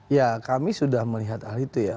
ya kami sudah melihat hal itu ya